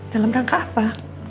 dalam rangka apa